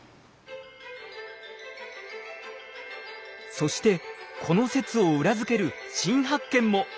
そしてこの説を裏付ける新発見も。